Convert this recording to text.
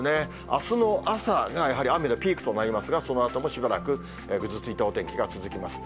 あすの朝がやはり雨のピークとなりますが、そのあともしばらく、ぐずついたお天気が続きます。